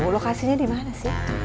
lokasinya dimana sih